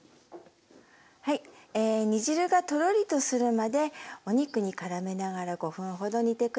煮汁がとろりとするまでお肉にからめながら５分ほど煮て下さい。